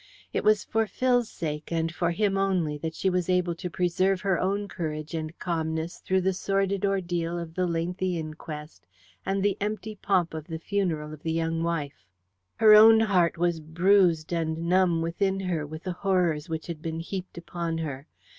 It was for Phil's sake, and for him only, that she was able to preserve her own courage and calmness through the sordid ordeal of the lengthy inquest and the empty pomp of the funeral of the young wife. Her own heart was bruised and numb within her with the horrors which had been heaped upon her.